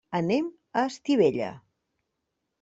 Anem a Estivella.